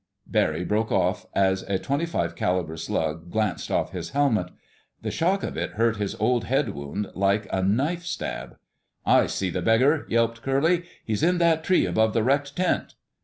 Barry broke off as a .25 caliber slug glanced off his helmet. The shock of it hurt his old head wound like a knife stab. "I see the beggar!" yelped Curly. "He's in that tree above the wrecked tent...."